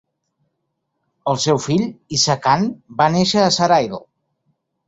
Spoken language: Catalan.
El seu fill, Isa Khan, va néixer a Sarail.